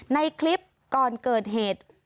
ในคลิปก่อนเกิดเหตุ